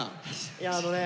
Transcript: いやあのね